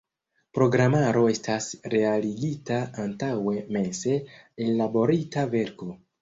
Programaro estas realigita antaŭe mense ellaborita verko.